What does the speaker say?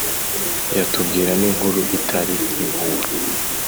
Yatubwira n'inkuru itari impuha